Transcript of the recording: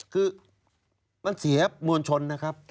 คือมันเสียมวลชนนะครับ